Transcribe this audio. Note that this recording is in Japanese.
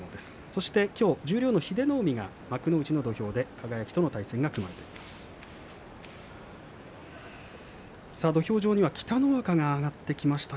そして、きょう十両の英乃海が幕内の土俵で輝との対戦が組まれました。